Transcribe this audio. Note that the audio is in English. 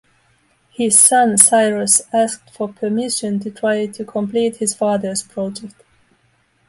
His son Cyrus asked for permission to try to complete his father's project.